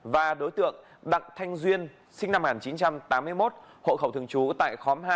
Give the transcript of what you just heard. và đối tượng đặng thanh duyên sinh năm một nghìn chín trăm tám mươi một hộ khẩu thường trú tại khóm hai